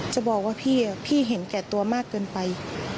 จะบอกว่าพี่เห็นแก่ตัวมากเกินไป